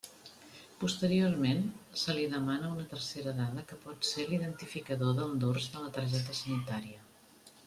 Posteriorment se li demana una tercera dada que pot ser l'identificador del dors de la targeta sanitària.